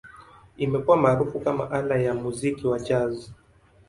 Imekuwa maarufu kama ala ya muziki wa Jazz.